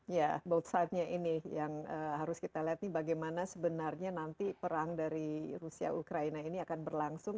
ya both side nya ini yang harus kita lihat nih bagaimana sebenarnya nanti perang dari rusia ukraina ini akan berlangsung